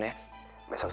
terima kasih boy